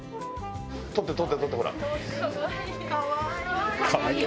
撮って撮って撮ってほら。